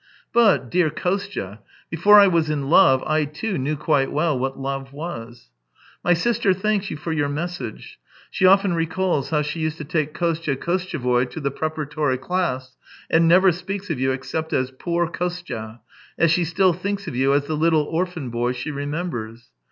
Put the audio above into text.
But, dear Kostya, before I was in love I, too, knew quite well what love was. " My sister thanks you for your message. She often recalls how she used to take Kostya Kotche voy to the preparatory class, and never speaks of you except as poor Kostya, as she still thinks of you as the httle orphan boy she remembers.